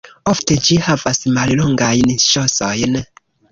Ofte ĝi havas mallongajn ŝosojn.